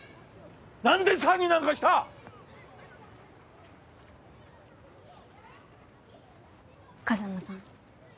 何で詐欺なんかした⁉風真さん。